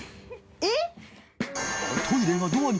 えっ？